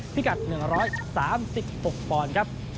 พิกัด๑๓๖ฟวรครับ